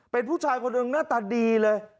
เป็นผู้ชายคนหนึ่งหน้าตาดีเลย